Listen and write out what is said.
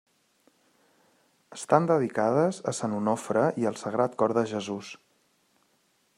Estan dedicades a Sant Onofre i al Sagrat Cor de Jesús.